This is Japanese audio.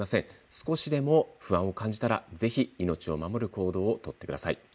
少しでも不安を感じたらぜひ命を守る行動を取ってください。